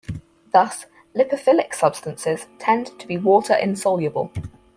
Thus lipophilic substances tend to be water-insoluble.